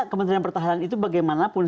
kementerian pertahanan itu bagaimanapun